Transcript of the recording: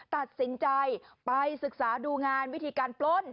ตัดสินใจไปศึกษาดูงานวิธีการปล้น